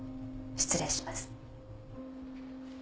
失礼します。